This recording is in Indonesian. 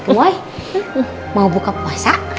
boy mau buka puasa